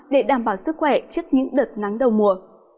để đảm bảo sức khỏe trước những đợt nắng đầu mùa